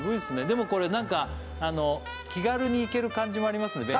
でもこれ何か気軽に行ける感じもありますね